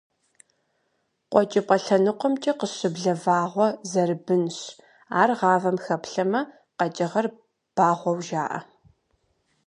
КъуэкӀыпӀэ лъэныкъуэмкӀэ къыщыблэ вагъуэ зэрыбынщ, ар гъавэм хэплъэмэ, къэкӀыгъэр багъуэу жаӀэ.